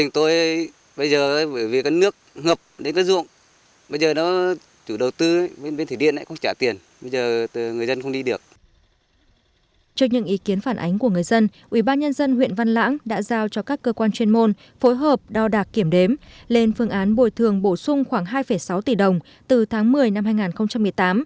trước những ý kiến phản ánh của người dân ubnd huyện văn lãng đã giao cho các cơ quan chuyên môn phối hợp đo đạt kiểm đếm lên phương án bồi thương bổ sung khoảng hai sáu tỷ đồng từ tháng một mươi năm hai nghìn một mươi tám